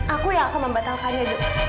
aku yang akan membatalkannya